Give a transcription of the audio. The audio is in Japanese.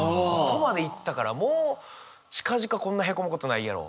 ここまで行ったからもう近々こんなへこむことないやろ。